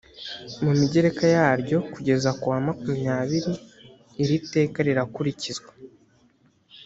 mu migereka yaryo kugeza kuwa makumyabiri iri teka rirakurikizwa